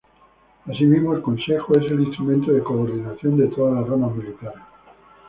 Asimismo, el Consejo es el instrumento de coordinación de todas las ramas militares.